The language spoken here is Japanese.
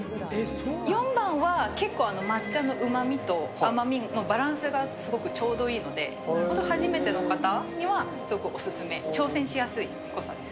４番は結構、抹茶のうまみと甘みのバランスがすごくちょうどいいので、本当初めての方にはすごくお勧め、挑戦しやすい濃さです。